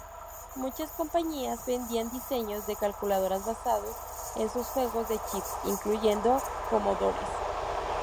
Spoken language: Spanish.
Muchas compañías vendían diseños de calculadoras basados en sus juegos de chips, incluyendo Commodore.